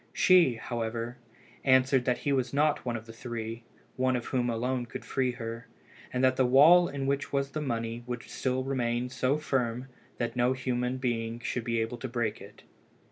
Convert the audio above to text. She, however, answered that he was not one of the three, one of whom alone could free her, and that the wall in which was the money would still remain so firm that no human being should be able to break it.